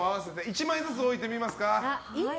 １枚ずつ置いてみますか。